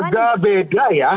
gak beda ya